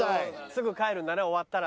すぐ帰るんだね終わったら。